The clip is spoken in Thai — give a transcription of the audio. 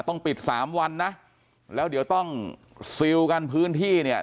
ต้องปิดสามวันนะแล้วเดี๋ยวต้องซิลกันพื้นที่เนี่ย